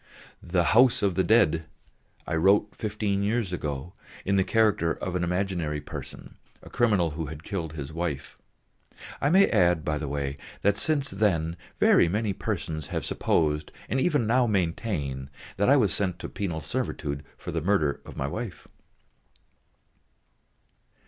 The House of the Dead I wrote fifteen years ago in the character of an imaginary person, a criminal who had killed his wife. I may add by the way that since then, very many persons have supposed, and even now maintain, that I was sent to penal servitude for the murder of my wife.